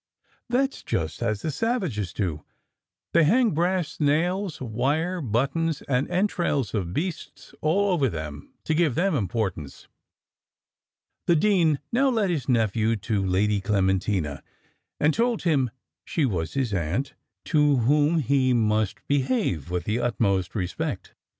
"That's just as the savages do; they hang brass nails, wire, buttons, and entrails of beasts all over them, to give them importance." The dean now led his nephew to Lady Clementina, and told him, "She was his aunt, to whom he must behave with the utmost respect."